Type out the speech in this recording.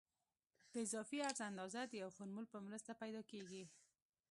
د اضافي عرض اندازه د یو فورمول په مرسته پیدا کیږي